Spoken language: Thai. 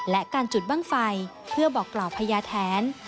และการจุดบ้างไฟเพื่อบอกกล่าวพญาแทน